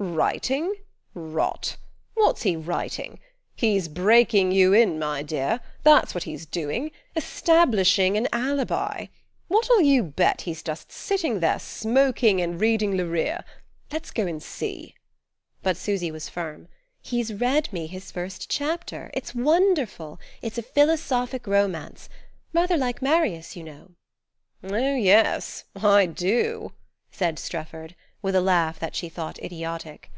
"Writing? Rot! What's he writing? He's breaking you in, my dear; that's what he's doing: establishing an alibi. What'll you bet he's just sitting there smoking and reading Le Rire? Let's go and see." But Susy was firm. "He's read me his first chapter: it's wonderful. It's a philosophic romance rather like Marius, you know." "Oh, yes I do!" said Strefford, with a laugh that she thought idiotic.